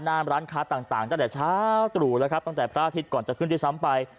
ร้านค้าต่างตั้งแต่เช้าตรู่แล้วครับตั้งแต่พระอาทิตย์ก่อนจะขึ้นด้วยซ้ำไป